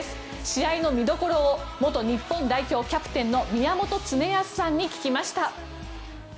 試合の見どころを元日本代表キャプテンの宮本恒靖さんに聞きました。